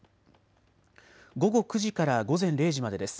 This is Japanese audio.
午後９時から午前０時までです。